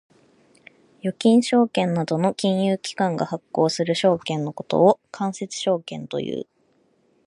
預金証券などの金融機関が発行する証券のことを間接証券という。